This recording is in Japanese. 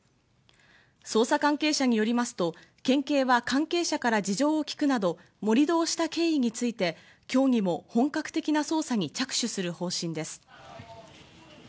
捜査関係者によりますと県警は関係者から事情を聴くなど盛り土をした経緯について今日にも本格的な捜査に着手する方針です。